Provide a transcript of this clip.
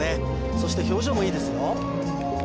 そして表情もいいですよ